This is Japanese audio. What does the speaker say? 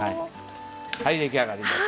はい出来上がりです。